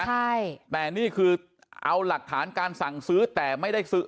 ใช่แต่นี่คือเอาหลักฐานการสั่งซื้อแต่ไม่ได้ซื้อ